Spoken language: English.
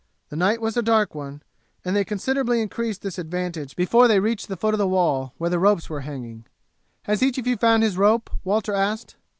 The night was a dark one, and they considerably increased this advantage before they reach the foot of the wall, where the ropes were hanging. "Has each of you found his rope?" Walter asked.